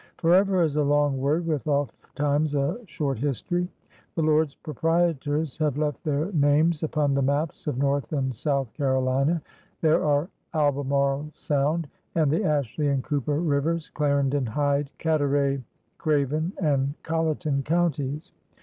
"Forever" is a long word with ofttimes a short history. The Lords Proprietors have left their names upon the maps of North and South Carolina. There are Albemarle Sound and the Ashley and Cooper rivers. Clarendon, Hyde, Carteret, Cra ven, and Colleton Counties.